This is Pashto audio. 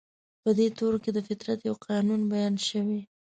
په دې تورو کې د فطرت يو قانون بيان شوی.